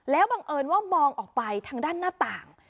บังเอิญว่ามองออกไปทางด้านหน้าต่าง